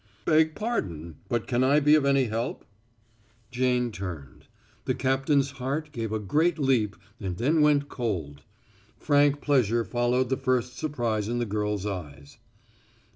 "Beg pardon, but can I be of any help?" Jane turned. The captain's heart gave a great leap and then went cold. Frank pleasure followed the first surprise in the girl's eyes.